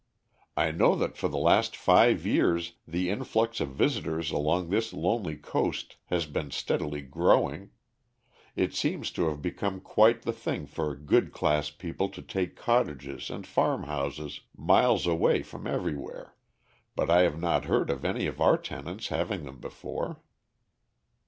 "I know that for the last five years the influx of visitors along this lonely coast has been steadily growing. It seems to have become quite the thing for good class people to take cottages and farmhouses miles away from everywhere, but I have not heard of any of our tenants having them before."